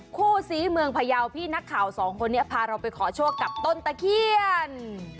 คู่ซีเมืองพยาวพี่นักข่าวสองคนนี้พาเราไปขอโชคกับต้นตะเคียน